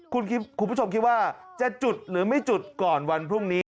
คุณผู้ชมคิดว่าจะจุดหรือไม่จุดก่อนวันพรุ่งนี้